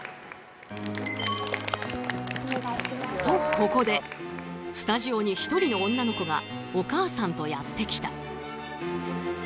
とここでスタジオに一人の女の子がお母さんとやって来た。